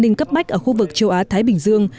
đồng minh cấp bách ở khu vực châu á thái bình dương